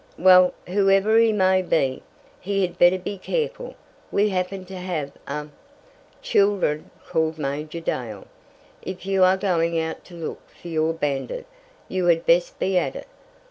"Well, whoever he may be, he had better be careful. We happen to have a " "Children," called Major Dale, "if you are going out to look for your bandit, you had best be at it.